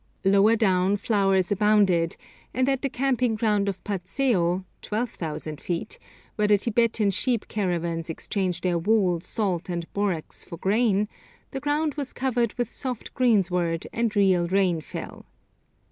Lower down flowers abounded, and at the camping ground of Patseo (12,000 feet), where the Tibetan sheep caravans exchange their wool, salt, and borax for grain, the ground was covered with soft greensward, and real rain fell.